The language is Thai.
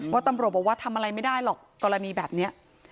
ตำรวจบอกว่าทำอะไรไม่ได้หรอกกรณีแบบนี้